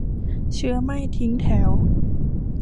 เชื้อไม่ทิ้งแถว